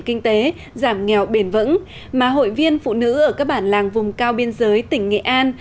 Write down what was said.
kinh tế giảm nghèo bền vững mà hội viên phụ nữ ở các bản làng vùng cao biên giới tỉnh nghệ an